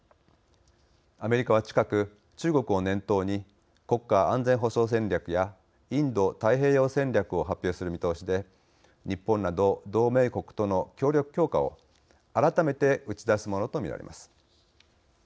アメリカは、近く中国を念頭に国家安全保障戦略やインド太平洋戦略を発表する見通しで日本など同盟国との協力強化を改めて打ち出すものとみられます。